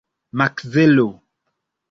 Makzelo